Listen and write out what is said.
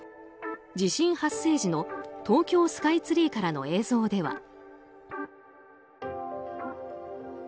地震発生時の東京スカイツリーからの映像では。